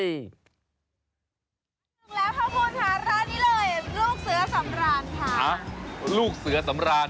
ถูกแล้วครับคุณหาร้านนี้เลยลูกเสือสำรานค่ะ